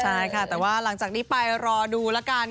ใช่ค่ะแต่ว่าหลังจากนี้ไปรอดูแล้วกัน